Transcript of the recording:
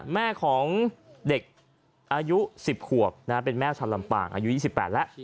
แม่ของเด็กอายุ๑๐ขวบเป็นแม่ชาวลำปางอายุ๒๘แล้ว